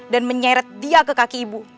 dan menyeret dia ke kaki ibu